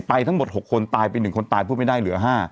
ทั้งหมด๖คนตายไป๑คนตายพูดไม่ได้เหลือ๕